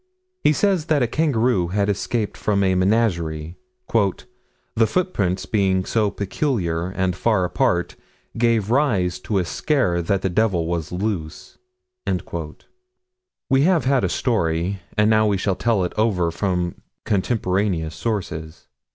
He says that a kangaroo had escaped from a menagerie "the footprints being so peculiar and far apart gave rise to a scare that the devil was loose." We have had a story, and now we shall tell it over from contemporaneous sources.